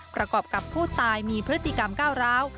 ประกอบกับผู้ตายมีพฤติกรรมก้าวร้าว